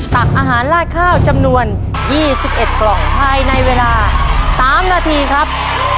ตักอาหารลาดข้าวจำนวนยี่สิบเอ็ดกล่องไพรในเวลาสามนาทีครับ